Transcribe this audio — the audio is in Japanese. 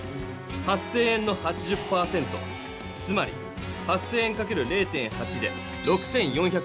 ８０００円の８０％つまり８０００円かける０．８で６４００円。